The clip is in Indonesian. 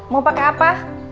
mau pake apa